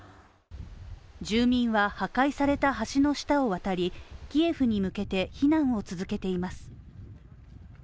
住民は、破壊された橋の下を渡り、キエフに向けて避難を続けています。